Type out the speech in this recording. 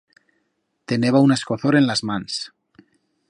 Teneba una escozor en las mans.